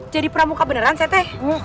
jadi pramuka beneran zete